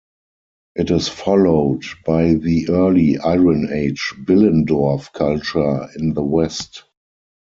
It is followed by the early Iron Age Billendorf culture in the West.